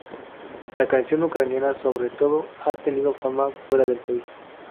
La canción ucraniana sobre todo ha tenido fama fuera del país.